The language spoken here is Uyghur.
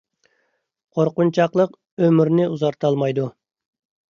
قورقۇنچاقلىق ئۆمۈرنى ئۇزارتالمايدۇ